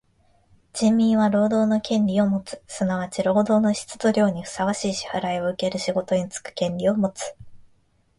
人民は労働の権利をもつ。すなわち労働の質と量にふさわしい支払をうける仕事につく権利をもつ。